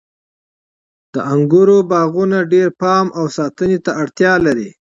د انګورو باغونه ډیر پام او ساتنې ته اړتیا لري.